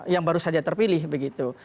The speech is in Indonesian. yang baru saja terpilih begitu